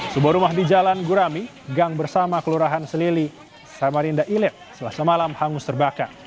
sebuah rumah di jalan gurami gang bersama kelurahan selili samarinda ilit selasa malam hangus terbakar